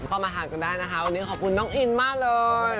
ก็มาทานกันได้นะคะวันนี้ขอบคุณน้องอินมากเลย